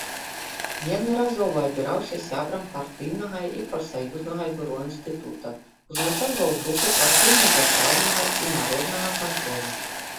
Неаднаразова абіраўся сябрам партыйнага і прафсаюзнага бюро інстытута, узначальваў групу партыйна-дзяржаўнага і народнага кантролю.